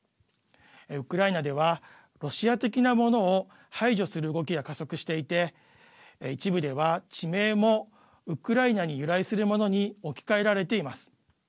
ウクライナではロシア的なものを排除する動きが加速していて一部では地名もウクライナに由来するものに置き換えられています。